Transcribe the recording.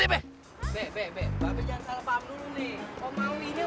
iya bener om ardhani